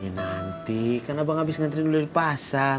nanti kan abang abis ngantri dulu dari pasar